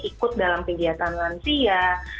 ikut dalam kegiatan lansia